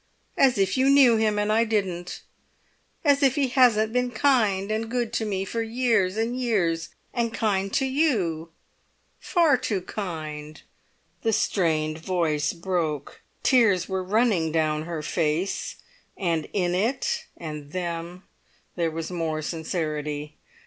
As if you knew him and I didn't! As if he hasn't been kind and good to me for years and years—and kind to you—far too kind——" The strained voice broke, tears were running down her face, and in it and them there was more sincerity.